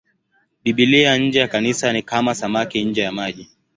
Biblia nje ya Kanisa ni kama samaki nje ya maji.